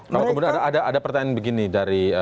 namun kemudian ada pertanyaan begini dari